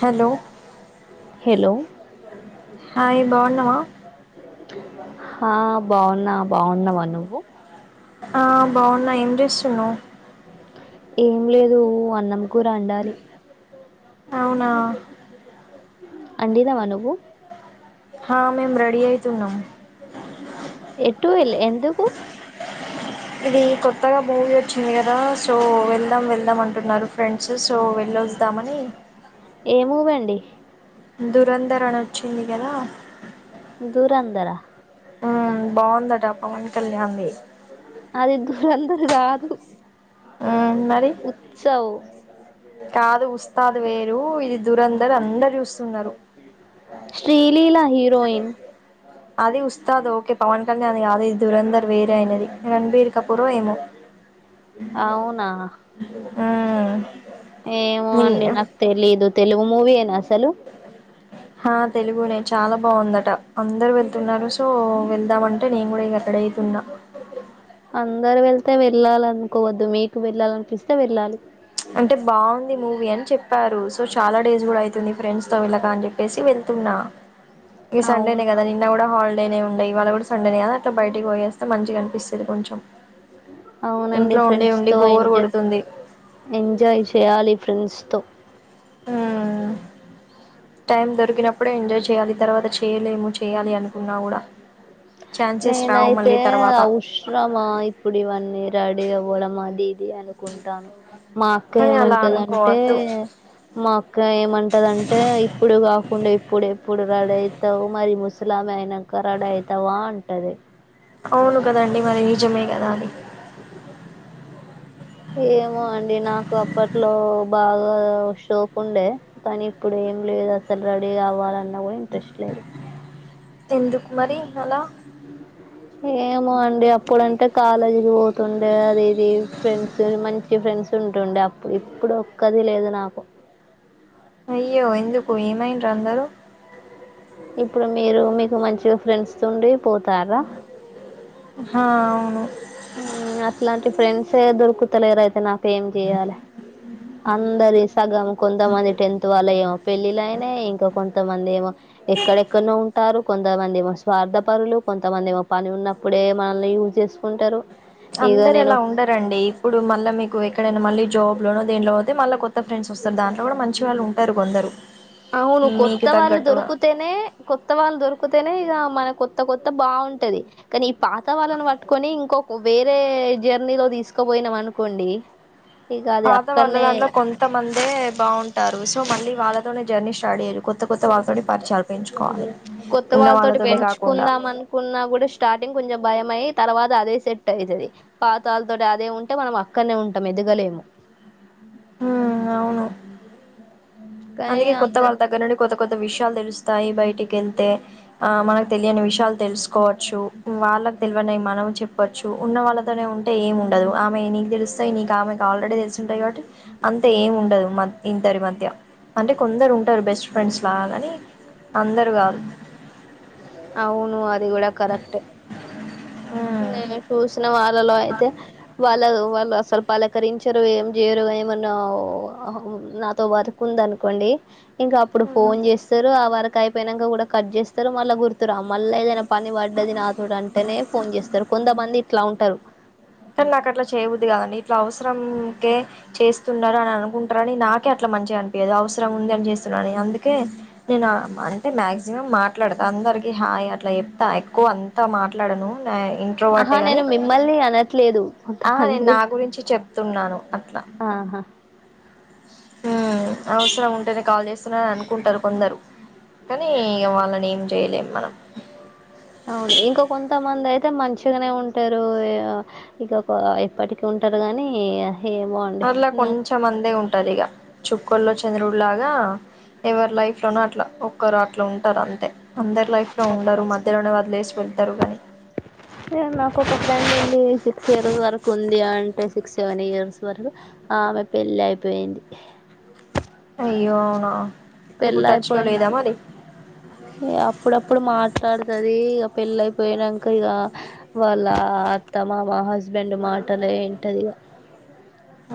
hello hello hi బాగున్నావా హా బాగున్నా బాగున్నావా నువ్వు ఆ బాగున్నా ఏం చేస్తున్నవు ఏం లేదు అన్నం కూర అండాలి అవునా అండినవ నువ్వు హా మేమ్ రెడి అయితున్నం ఎటు వేలే ఎందుకు ఇది కొత్తగా మూవీ వచ్చింది కదా సో వెళ్దాం వెళ్దాం అంటున్నారు ఫ్రెండ్స్ సో వెళ్ ళ్లొస్తామని ఏ మూవి అండి దూరంధర్ అని వచ్చింది కద దూరందర బాగుందట పవన్ కళ్యాణ్ ది అదిద్దూరందరు కాదు ఆ ఉత్సవ్ కాదు ఉస్తాద్ వేరు ఇది దురేందర్ అందరూ చూస్తూ శ్రీలీలా హీరోయిన్ అదే ఉస్తాద్ ఓకే పవన్ కళ్యాణ్ది కాదు ఇది దురేందర్ వేరే అయినది రణబీర్ కపూరం ఏమో అవునా ఆ ఏమో అండి నాకు తెలీదు తెలుగు మూవీయేనా అసలు హా తెలుగునే చాలా బాగుందట అందరూ వెళ్తున్నారు సో వెళ్దామంటే నేను కూడా ఇగా రెడీ అవుతున్నా ఓ [inaudible] అందరు వెళ్తే వెళ్ళాలి అనుకోవద్దు మీకు వెళ్ళాలనిపిస్తే వెళ్ళాలి అంటే బాగుంది మూవీ అని చెప్పారు సో చాలా డేస్ కూడా అవుతుంది ఫ్రెండ్స్ తో వెళ్ళకా అని చెప్పేసి వెళ్త సండేనే అవునా కదా నిన్న కూడా హలీ నే ఉండే ఇవ్వాలా కూడా సండేనే కాదా అట్లా బయటకి పోయేస్తే మంచిగా కనిపిస్తుంది కొంచెం అవునండి ఇంట్లో ఉండి ఫ్రెండ్స్ ఉండి తో బోర్ ఎంజాయ్ కొడుతుంది ఎం ఎంజాయ్ చేయాలి ఫ్రెండ్స్తో హామ్ టైం దొరికినప్పుడే ఎంజాయ్ చేయాలి తర్వాత చేయలేము చేయ్యాలి అనుకున్నా కూడా ఛాన్సెస్ రావు నేనైతే మళ్ళీ తర్వాత అవసరమా ఇప్పుడు ఇవన్నీ రెడీ అవ్వడం అది ఇది అనుకుంటాను మా అక్క కానీ అలా ఏమంటదంటే అనుకోవద్దు మా అక్క ఏమంటదంటే ఇప్పుడు కాకుండా ఇప్పుడెప్పుడు రెడీ అవుతావు మరి ముస్లామేవి అయినాక రెడీ అవుతావా అంటది అవును కద అండి మరి నిజమే కదా అది ఏమో అండి నాకు అప్పట్లో బాగా షోక్ ఉండే కానీ ఇప్పుడు ఏం లేదు అసలు రెడీ కావాలన్న కూడా ఇంట్రెస్ట్ లేదు ఎందుకుమరి అలా ఏమో అండి అప్పుడంటే కాలేజ్కి పోతుండే అది ఇది ఫ్రెండ్స్ మంచి ఫ్రెండ్స్ ఉంటుండే అప్పుడు ఇప్పుడు ఒక్కది లేదు నాకు అయ్యో ఎందుకు ఏమైయిర్రు అందరూ ఇప్పుడు మీరు మీకు మంచిగా ఫ్రెండ్స్ ఉండి పోతారా ఆ అవును అట్లాంటి ఫ్రెండ్స్యే దొరుకుతలేరు అయితే నాకు ఏం చెయాలే అందరి సగం కొంతమంది టెన్త్ వాళ్ళ ఏమో పెళ్ళిలైనాయి ఇంకా కొంతమంది ఏమో ఎక్కడెక్కడనో ఉంటారు కొంతమంది ఏమో స్వార్థ పరులు కొంతమంది ఏమో పని ఉన్నప్పుడే మనల్ని యూజ్ చేసుకుంటారు ఇక అందరు అలా నేను ఉండరండి ఇప్పుడు మళ్ళా మీకు ఎక్కడైనా మళ్ళీ జాబ్ లోనో దేట్లో అయితే మళ్ళ కొత్త ఫ్రెండ్స్ వస్తారు దాంట్లో కూడా మంచి వాళ్ళు ఉంటారు కొందరు అవును మీకు కొత్త వాళ్ళు తగ్గట్టుగా దొరికుతేనే కొత్త వాళ్ళు దొరికుతేనే ఇగా మనకు కొత్త కొత్త బాగుంటది కానీ ఈ పాత వాళ్ళను పట్టుకొని ఇంకొక వేరే జర్నీలో తీసుకోపోయి యినమ్ అనుకోండి ఇక అది పాత వాళ్ళ అక్కడనే దాంట్లో కొంతమంది తే బాగుంటారు సో వాళ్ళతోనే జర్నీ స్టార్ట్ చెయ్యి కొత్త కొత్త వాళ్ళతో పరిచయ కొత్త వాళ్ళతోటి కాకుండా పెంచుకుందాం అనుకున్నా కూడా స్టార్టింగ్ కొంచెం భయమయి తర్వాత అదే సెట్ అవుతది పాతాల తోటి అదే ఉంటే మనం అక్కడనే ఉంటాం ఎదగలేం ఉమ్ అవును కానీ అందుకే కొత్త అంత వాళ్ళ దగ్గర నుండి కొత్త కొత్త విషయాలు తెలుస్తాయి బయటికి వెళ్తే ఆ మన తెలియని విషయాల్ తెలుసుకోవచ్చు వాళ్ళకి తెలివని మనం చెప్పొచ్చు ఉన్న వాళ్ళతోనే ఉంటే ఏమి ఉండదు ఆమె నీకు తెలుస్తాయి నీకు ఆమెకు ఆల్రెడీ తెలుసు ఉంటాయి కాబట్టి అంతే ఏం ఉండదు మ ఇందరి మధ్య అంటే కొందరు ఉంటారు బెస్ట్ ఫ్రెండ్స్ లాగానీ అందరు కాదు అవును అది కూడా కరెక్ట్ నేను చూసిన వార్ ళ్ళలో అయితే వాళ్ళ వాళ్ అసలు పలకరించరు ఏం చేయరు ఏమన్నా నాతో వర్కుంది అనుకోండి ఇంకా అప్పుడు ఫోన్ చేస్తారు ఆ వరకు అయిపోయినాక కూడా కట్ చేస్తారు మళ్ళా గుర్ రా మళ్ళా ఏదైనా పని పడ్డది నాతోడి అంటేనే ఫోన్ చేస్తారు కొంతమంది ఇట్లా ఉంటారు కని నాకు అట్లా చేయబుద్ధి కదండి ఇట్లా అవసరంకే చేస్తున్నారు అని అనుకుంటారని నాకే అట్లా మంచిగా అనిపియదు అవసరం ఉంది అని చేస్తున్నాని అందుకే నేను అంటే మాక్సిమం మాట్లాడతా అ దరికి హాయ్ అట్లా చెప్తా ఎక్కువ అంతా మాట్లాడను ఆహా ఇంట్రోవర్ట్యే కాని నేను మిమ్మల్ని అనట్లేదు ఆ కొంతమంది నేను నా గురి గురించి చెప్తున్నాను అట్లా ఆహా ఉమ్ అవసరం ఉంటేనే కాల్ చేస్తున్నాని అనుకుంటారు కొందరు కానీ ఈ వాళ్ళని ఏం చేయలేం మనం అవును ఇంకో కొంత మంది అయితే అయితే మంచిగానే ఉంటారు ఇక ఇప్పటికి ఉంటారు గానీ అట్లా కొంచెం మందే ఉంటదిగా చుక్కల్లో చంద్రుడు లాగా ఎవరు లైఫ్ లోన అట్లా ఒక్కరు అట్లా ఉంటారు అంతే అందరు లైఫ్ లో ఉండరు మధ్యలోనే వదిలేసి వెళ్తారు గని తే నాకు ఒక ఫ్రెండుండి సిక్స్ ఇయర్స్ వరకు ఉంది అంటే సిక్స్ సెవెన్ ఇయర్స్ వరకు ఆమె పెళ్ళి అయిపోయింది అయ్యో అవునా పెళ్ళ ఇప్పుడు టచ్ లో అయిపోయిను లేదా మరి ఏ అప్పుడప్పుడు మార్చ మాట్లాడుతది ఇగ పెళ్ళ అయిపోయినంక ఇగా వాళ్ళ అత్త మామ హస్ బ్యాండు మాటలే ఏంటది గూడ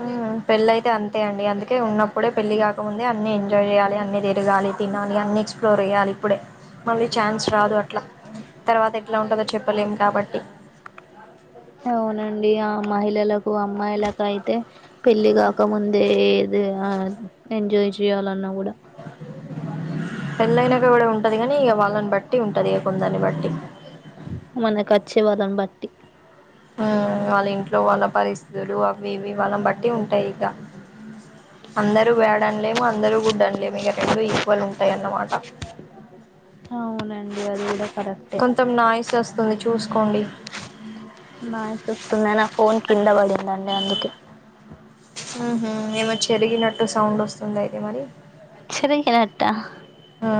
ఉ పెళ్ళ అయితే అంతే అండి అందుకే ఉన్నప్పుడే పెళ్లి కాకముందే అన్ని ఎంజాయ్ చేయాలి అన్ని తిరగాలి తినాలి అన్ని ఎక్స్ప్లోర్ ఎయలి ఇప్పుడే మళ్ళీ ఛాన్స్ రాదు అట్ల తర్వాత ఎట్లా ఉంటదో చెప్పలేము కాబట్టి ఆ అవునండి ఆ మహిళలకు అమ్మాయిలకు అయితే పెళ్లి కాకముందే అదే ఆ ఎంజాయ్ చేయ్యాలన్నా కూడా పెళ్లైనాక గూడ ఉంటది గనీ ఇగ వాళ్ళన్ బట్టి ఉంటదిగ కొందర్ని బట్టి మనకచ్చే వాళ్లని బట్టి ఆ వాళ్ళ ఇంట్లో వాళ్ళ పరిస్థితులు అవ్వీ ఇవ్వీ వాళ్ళంబట్టి ఉంటయిగ అందరూ బ్యాడన్లేము అందరూ గుడ్డన్లేము ఇగ రెండూ ఈక్వల్ ఉంటాయన్నమాట అవునండి అది కూడా కొంచం నాయిస్ ఒస్తుంది చూసుకో నైస్ వస్తుందా నా ఫోన్ కింద పడిందండి అందుకే ఉహూ ఏమో చెరిగినట్టు సౌండొస్తుంది అయితే మరి చేరిగినట్టా హ్ ఆ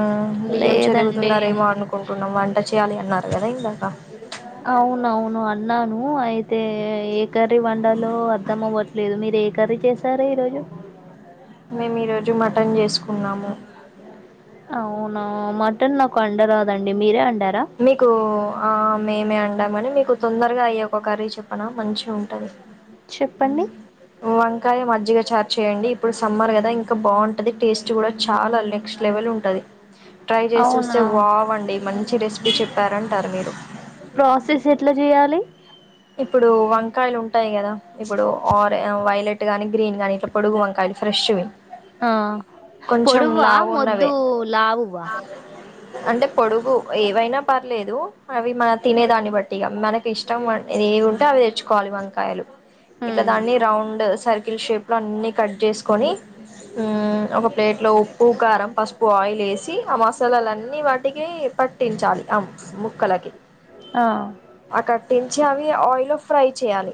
బియ్యం చెరుగుతున్నారేమో అనుకుంటున్నం వంట చేయ్యాలి అన్నారు గదా ఇందాక అవునవును అన్నాను అయితే ఏ కర్రీ వండాలో అర్ధమవ్వట్లేదు మీరు ఏ కర్రీ చేసారు ఈరోజు మేమీరోజు మటన్ జేసుకున్నాము అవునా మటన్ నాకు అండరాదండి మీరే అం మీకూ ఆ మేమే అ దామని మీకు తొందరగా అయ్యే ఒక కర్రీ చెప్పన మంచిగుంటది చెప్పండి వంకాయ మజ్జిగ చార్ చేయయండి ఇప్పుడు సమ్మర్ గద ఇంక బావుంటది టేస్ట్ గుడా చాల నెక్స్ట్ లెవెల్ ఉంటది ట్రై అవునా జేస్చూస్తే వావ్ అండి మంచి రెసిపీ చెప్పారంటారు మీరు ప్రాసెస్ ఎట్ల జేయాలి ఇప్పుడూ వంకాయలుంటాయి గదా ఇప్పుడు ఆరె ఆ వైలెట్ ట్ గాని గ్రీన్ గాని ఇట్ల పొడగు వంకాయలు ఫ్రెష్ వి ఆ పొడువా మొద్దూ లావువా అంటె పొడుగు ఏవైనా పర్లేదూ అవి మన తినే దాన్ని బట్టిగ మనకిష్టం వ ఏవుంటే అవి తెచ్చుకోవాలి వంకాయలు ఇట్ల హ్మ్ దాన్ని రౌండ్ సర్కిల్ షేప్ లో అన్ని కట్ జేసుకొని ఊ ఒక ప్లేట్ లో ఉప్ ఉప్పు కారం పసుపు ఆయిలేసీ ఆ మసాలాలన్నీ వాటికీ పట్టించాలి అమ్ ముక్కలకి ఆ అ కట్టిన్ అవి ఆయిల్ ఫ్రై చేయాలి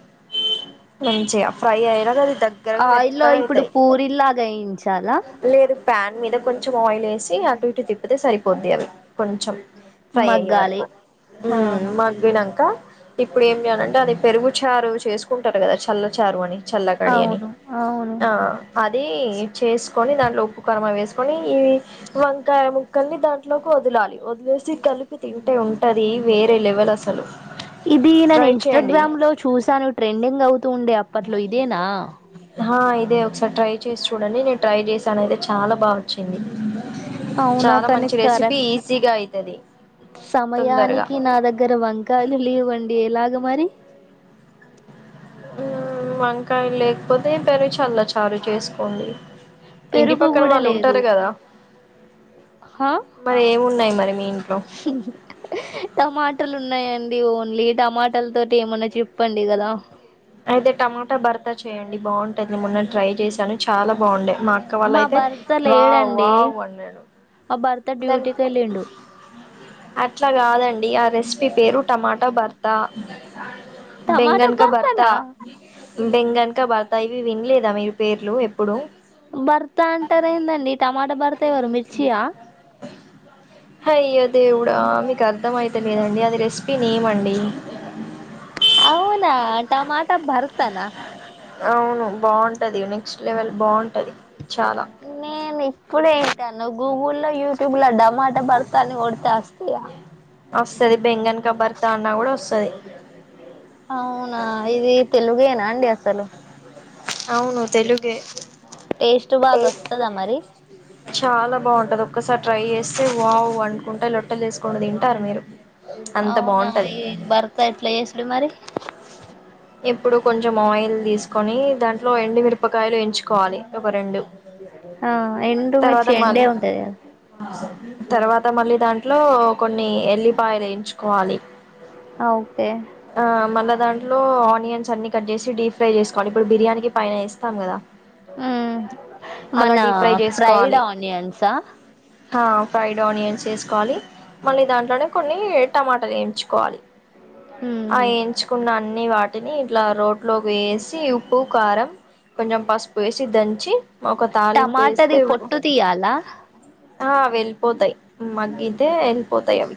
మంచిగా ఫ్రై అయక దగ్గరగా ఆయిల్లో ఇప్పుడు మెత్తగైతయ్ పూరిల్లాగా వేయించాలా లేదు ప్యాన్ మీద కొంచం ఆయిల్ ఏసి వేసి అటు ఇటు తిప్పితే సరిపోద్ది అవి కొంచెం ఫ్రైయయ్యే మగ్గాలి వరకు ఉమ్మ్ ఆహా మగ్గినంక ఇప్పుడు ఏం చేయాలంటె అది పెరుగు చారు చేసుకుంటారు కదా చల్ల చారు అని చల్లకడి అని అవును అవును ఆ అది చేస్ కొని దాంట్లో ఉప్పు కారమవి వేసుకొని వంకాయ ముక్కల్ని దాంట్లోకి వదలాలి వదిలేసి కలిపి తింటే ఉన్ టది వేరే లెవెల్ అసలు ఇది నేను ట్రై చేయండి ఇన్స్టాగ్రామ్ లో చూసాను ట్రెండింగ్ అవుతూ ఉండే అప్పట్లో ఇదేనా ఆ ఇదే ఒకసారి ట్రై చేసి చూడండి నేను ట్రై చేశాను అయితే చాలా బాగా వచ్చింది అవునా చాలా కానీ మంచి రెసిపీ కరెక్ట్ ఈజీగా అయి సమయానికి నా దగ్గర వంకాయలు లేవన్ ఏలాగ మరి ఉమ్ వంకాయలు లేకపోతే పెరుగు చల్ల చారు చేసుకోండి ఇంటి పెరుగు పక్కన కూడా వాళ్ళు లేదు ఉంటారు కదా హా మరి ఏమున్నాయి మరి మీ ఇంట్లో టమాటలు ఉన్నాయండి ఓన్లీ టమాటాల తోటి ఏమన్నా చెప్పండి కదా అయితే టమాటా బర్త చేయండి బావుంటది మొన్న ట్రై చేశాను చాలా బావుండే మా అక్క వాళ్ళయితే వావ్ వావ్ అన్నారు త్త దాని డ్యూటీకెళ్ళిండు అట్లా కాదండి ఆ రెసిపీ పేరు టమాటా బర్ త్త టమాటా బెంగన్ క బర్త భర్తనా బెంగన్క భర్త యివి వినలేదా మీరు పేర్లు ఏప్ భర్త అంటారేందండి టమాటా భర్త ఎవరు మిర్చియా అయ్యో దేవుడా మీకు అర్థమైత లేదండి అది రెసిపీ నేమండీ అవునా టమాటా బర్తనా అవును బాగుంటది నెక్స్ట్ లెవెల్ బావు నేను ఎప్పుడ్ త అన్నావ్ గూగల్ లో యూట్యూబ్లో డమాట భర్త అని కొడితే వస్తదా వస్తది బెంగన్ క బర్తా అన్నా కూడా వస్తది అవునా ఇది తెలుగేనా అండి అసలు అవును తెలుగే టేస్ట్ బాగా వస్తదా మరి చాలా బావుంటది ఒక్కసారి ట్రై చేస్తే వావ్ అనుకుంటా లొట్టలేసుకుంటా తింటారు మీరు అంత అవునా బాగుంటది ఎం బర్త ఎట్ల చేసుడు మరి ఇప్పుడు కొంచెం ఆయిల్ తీసుకొని దాంట్లో ఎండు మిరపకాయలు ఎంచు కోలి ఒక రెండు ఆ ఎండు మిర్చి తర్వాత మల్ ఎండే ఉంటది కదా తర్వాత మళ్ళీ దాని ట్లో కొన్ని ఎల్లిపాయలు ఏయించుకోవాలి ఆ ఓకే మళ్ళా దాంట్లో ఆనియన్స్ అన్ని కట్ చేసి డీప్ ఫ్రై చేసుకోండి ఇప్పుడు బిర్యానీకి పైన ఏస్తాం కదా హ్మ్ అలా మన డీప్ ఫ్రై ఫ్రైడ్ ఆనియన్స్ ఆహ్ హా ఫ్రైడ్ ఆనియన్స్ ఏసుకోవాలి మళ్ళీ దాంట్లోనే కొన్ని టమాట వేయించుకోవాలి ఆ మ్మ్ ఏయించుకున్న అన్ని వాటిని ఇట్లా రోట్లోకి వేసి ఉప్పు కారం కొంచెం పసుపు వేసి దంచి మా ఒక తాలింపు వేస్తే టమాటాది పొట్టు తీయాలా ఆ వెళ్ళిపోతాయి మగ్గితే వెళ్ళిపోతాయి అవి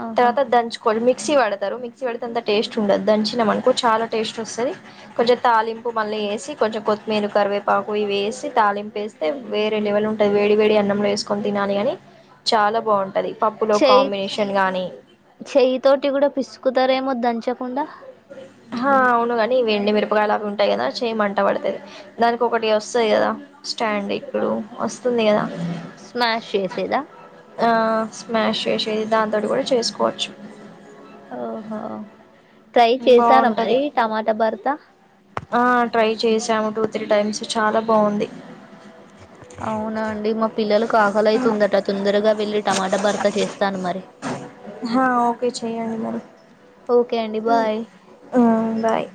ఆహా తర్వాత దంచుకొని మిక్సీ పడతారు మిక్సీ పడితే అంత టేస్ట్ చుండదు దంచినమనుకో చాలా టేస్ట్ వస్తది కొంచెం తాలింపు మళ్ళీ వేసి కొంచెం కొత్తిమీర కరివేపాక్ పాకు ఇవేసి తాలింపేస్తే వేరే లెవెలుంటుంది వేడి వేడి అన్నంలో వేసుకోని తినాలి గాని చాలా బాగుంటది పప్పు లో చెయ్యి కాంబినేషన్ గాని చెయ్యి తోటి కూడా పిసుకుతారేమో దంచకుండా హా అవును గాని ఇవి ఎండి మిరపకాయ లవి ఉంటది కదా చేయి మంట పుడతది దానికి ఒకటి వస్తది కదా స్టాండ్ ఇప్పుడు వస్తుంది కదా స్మాష్ చేసేదా ఆ స్మాష్ చేసి మళ్ళీ దాంతోటి కూడా చేసుకోవచ్చు ఓహో ట్రై చేశారా బాగుంటది మరి టమాటా భర్త ఆ ట్రై చేసాము టూ త్రీ టైమ్స్ చాలా బాగుంది అవునా అండి మా పిల్లలు ఆకలాయితుందట తొందరగా వెళ్ళి టమాటా భర్త చేస్తాను మరి ఓకే చేయండి మరి ఓకే అండి బాయ్ హ్మ్ బాయ్